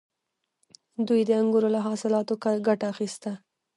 دوی د انګورو له حاصلاتو ګټه اخیسته